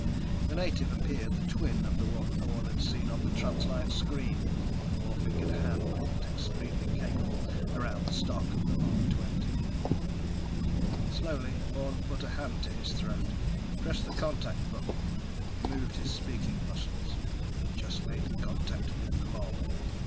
The native appeared the twin of the one Orne had seen on the translite screen. The four fingered hand looked extremely capable around the stock of the Mark XX. Slowly, Orne put a hand to his throat, pressed the contact button. He moved his speaking muscles: _"Just made contact with the mob.